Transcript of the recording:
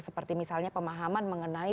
seperti misalnya pemahaman mengenai